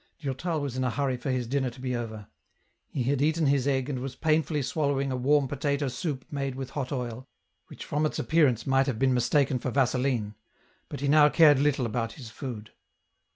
Durtal was in a hurry for his dinner to be over. He had eaten his egg and was painfully swallowing a warm potato soup made with hot oil, which from its appearance might have been mistaken for vaseline ; but he now cared little about his food.